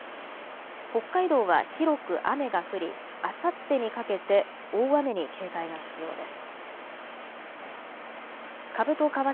北海道は広く雨が降りあさってにかけて大雨に警戒が必要です。